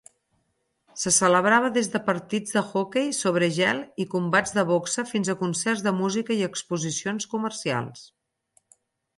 Se celebrava des de partits de hoquei sobre gel i combats de boxa fins a concerts de música i exposicions comercials.